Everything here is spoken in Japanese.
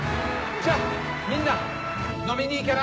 じゃみんな飲みに行かない？